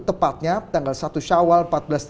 tepatnya tanggal satu shawwal